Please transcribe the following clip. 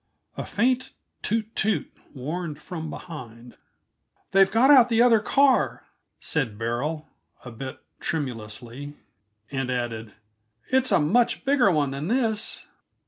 A faint toot toot warned from behind. "They've got out the other car," said Beryl, a bit tremulously; and added, "it's a much bigger one than this."